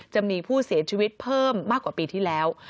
จะมีผู้เสียชีวิตเพิ่มมากกว่าปีที่แล้ว